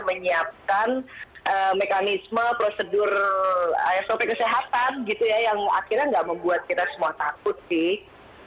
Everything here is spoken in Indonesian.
menyiapkan mekanisme prosedur sop kesehatan gitu ya yang akhirnya nggak membuat kita semua takut sih